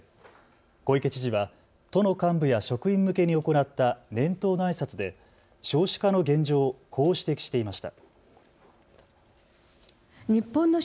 小池知事は都の幹部や職員向けに行った年頭のあいさつで少子化の現状をこう指摘していました。